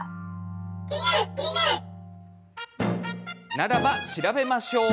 ならば調べましょう！